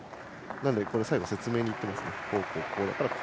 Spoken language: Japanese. なので最後、説明に行ってますね。